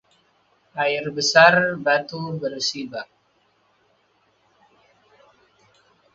Air besar batu bersibak